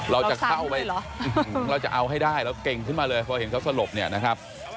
เราจะเข้าไปเหรอเราจะเอาให้ได้เราเก่งขึ้นมาเลยพอเห็นเขาสลบเนี่ยนะครับ